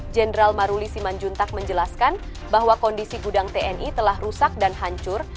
jenderal maruli simanjuntak menjelaskan bahwa kondisi gudang tni telah rusak dan hancur